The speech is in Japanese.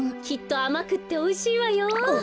きっとあまくっておいしいわよ。